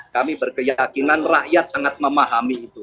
kami berkeyakinan rakyat sangat memahami itu